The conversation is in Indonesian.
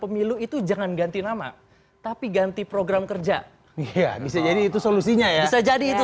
pemilu itu jangan ganti nama tapi ganti program kerja iya bisa jadi itu solusinya ya bisa jadi itu